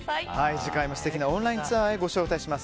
次回も素敵なオンラインツアーへご招待します。